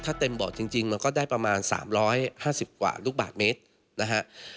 ถ้าเต็มเบาะจริงมันก็ได้ประมาณ๓๕๐กว่าลูกบาทเมตรนะฮะ